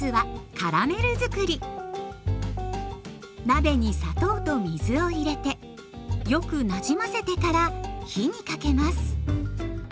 鍋に砂糖と水を入れてよくなじませてから火にかけます。